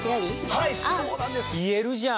はいそうなんです。